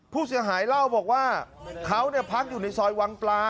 ผู้เสียหายเล่าบอกว่าเขาพักอยู่ในซอยวังปลา